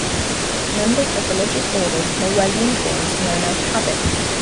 Members of religious orders may wear uniforms known as habits.